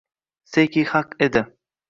Seki haq edi